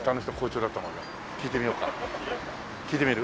聞いてみる？